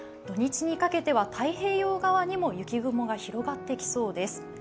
土日にかけては太平洋側にも雪雲が広がっていきそうです。